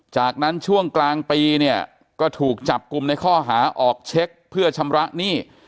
จากนั้นช่วงกลางปีเนี่ยก็ถูกจับกลุ่มในข้อหาออกเช็คเพื่อชำระหนี้